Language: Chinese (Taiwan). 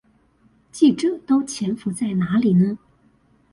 記者都潛伏在哪裡呢？